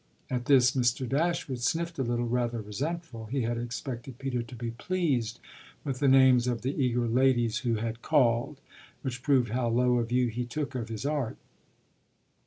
At this Mr. Dashwood sniffed a little, rather resentful; he had expected Peter to be pleased with the names of the eager ladies who had "called" which proved how low a view he took of his art.